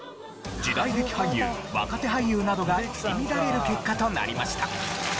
時代劇俳優若手俳優などが入り乱れる結果となりました。